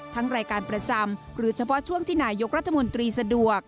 รายการประจำหรือเฉพาะช่วงที่นายกรัฐมนตรีสะดวก